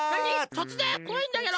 とつぜん？こわいんだけど。